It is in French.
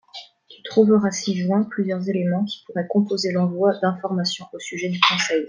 Tu trouveras ci-joint plusieurs éléments qui pourraient composer l’envoi d’information au sujet du conseil.